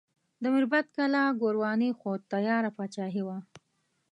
د میربت کلا ګورواني خو تیاره پاچاهي وه.